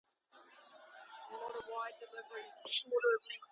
په اصل کي د طلاق واک له خاوند سره دیږ